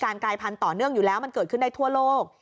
กลายพันธุ์ต่อเนื่องอยู่แล้วมันเกิดขึ้นได้ทั่วโลก